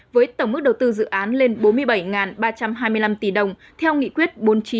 với tổng mức đầu tư dự án lên bốn mươi bảy ba trăm hai mươi năm tỷ đồng theo nghị quyết bốn mươi chín hai nghìn một mươi